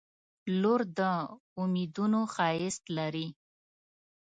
• لور د امیدونو ښایست لري.